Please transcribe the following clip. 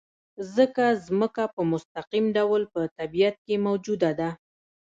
ځکه ځمکه په مستقیم ډول په طبیعت کې موجوده ده.